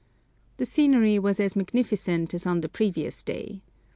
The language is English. The scenery was as magnificent as on the previous day.